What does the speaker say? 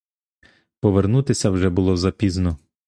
Повернутися вже було запізно.